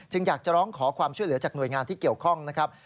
อยากจะร้องขอความช่วยเหลือจากหน่วยงานที่เกี่ยวข้องนะครับ